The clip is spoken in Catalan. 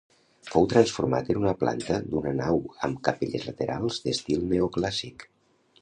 Fou transformat en una planta d'una nau amb capelles laterals d'estil neoclàssic.